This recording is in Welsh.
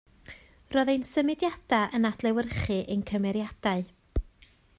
Roedd ein symudiadau yn adlewyrchu ein cymeriadau